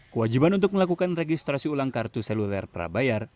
kewajiban untuk melakukan registrasi ulang kartu seluler prabayar